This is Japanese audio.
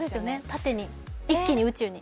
縦に一気に宇宙に。